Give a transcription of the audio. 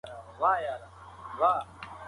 که هغه لاړه شي، دا توره شپه به پای ته ونه رسېږي.